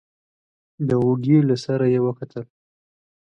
د اوږې له سره يې وکتل.